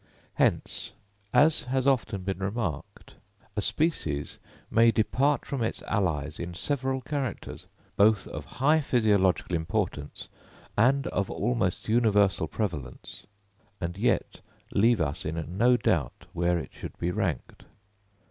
Hence, as has often been remarked, a species may depart from its allies in several characters, both of high physiological importance, and of almost universal prevalence, and yet leave us in no doubt where it should be ranked.